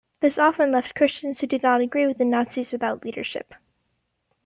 This often left Christians who did not agree with the Nazis without leadership.